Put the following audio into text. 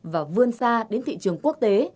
và vươn xa đến thị trường quốc tế